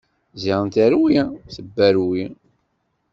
Ziɣen terwi, tebberwi!